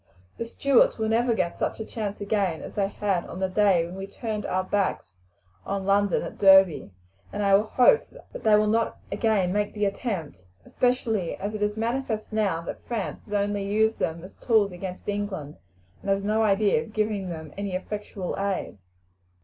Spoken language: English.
The Stuarts will never get such another chance again as they had on the day when we turned our backs on London at Derby, and I hope that they will not again make the attempt, especially as it is manifest now that France has only used them as tools against England, and has no idea of giving them any effectual aid."